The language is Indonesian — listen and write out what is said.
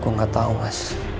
gue gak tau mas